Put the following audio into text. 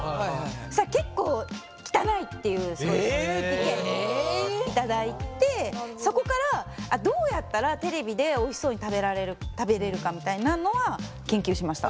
そしたら結構汚いっていう意見を頂いてそこからどうやったらテレビでおいしそうに食べれるかみたいなのは研究しました。